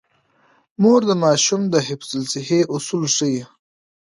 مور د ماشوم د حفظ الصحې اصول ښيي.